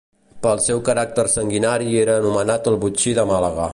Pel seu caràcter sanguinari era nomenat el botxí de Màlaga.